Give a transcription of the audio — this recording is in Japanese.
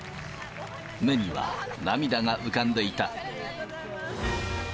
目には涙が浮かんでいた。